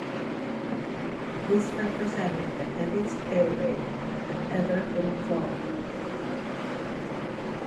This represented the heaviest air raid that had ever been flown.